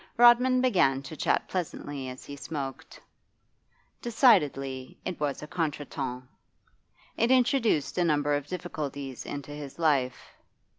Rodman began to chat pleasantly as he smoked. Decidedly it was a contretemps. It introduced a number of difficulties into his life.